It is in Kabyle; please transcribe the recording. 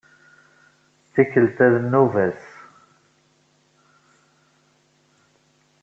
Tikkelt-a d nnuba-s.